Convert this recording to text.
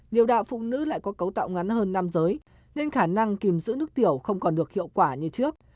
điều đạo phụ nữ lại có cấu tạo ngắn hơn nam giới nên khả năng kìm giữ nước tiểu không còn được hiệu quả như trước